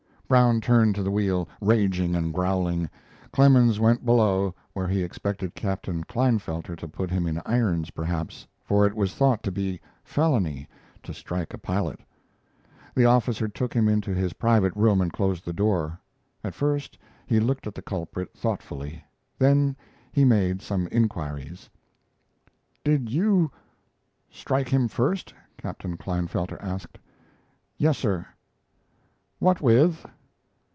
Brown turned to the wheel, raging and growling. Clemens went below, where he expected Captain Klinefelter to put him in irons, perhaps, for it was thought to be felony to strike a pilot. The officer took him into his private room and closed the door. At first he looked at the culprit thoughtfully, then he made some inquiries: "Did you strike him first?" Captain Klinefelter asked. "Yes, sir." "What with?"